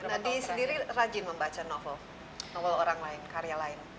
nadi sendiri rajin membaca novel orang lain karya lain